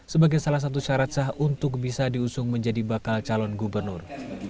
sebagai salah satu syarat sah untuk bisa diusung menjadi bakal calon gubernur